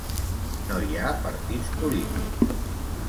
No hi ha partits polítics.